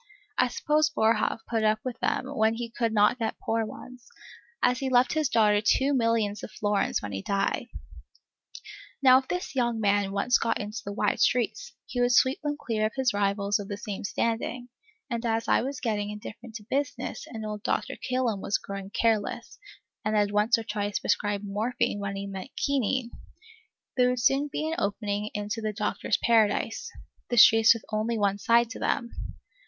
I suppose Boerhaave put up with them when he could not get poor ones, as he left his daughter two millions of florins when he died. Now if this young man once got into the wide streets, he would sweep them clear of his rivals of the same standing; and as I was getting indifferent to business, and old Dr. Kilham was growing careless, and had once or twice prescribed morphine when he meant quinine, there would soon be an opening into the Doctor's Paradise, the streets with only one side to them.